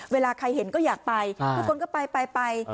เวลาใครเห็นก็อยากไปทุกคนก็ไปไป